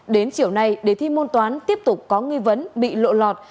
đến chiều nay đề thi môn toán tiếp tục có nghi vấn bị lộ lọt